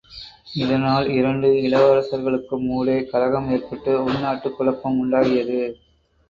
இதனால், இரண்டு இளவரசர்களுக்கும் ஊடே, கலகம் ஏற்பட்டு உள் நாட்டுக் குழப்பம் உண்டாகியது.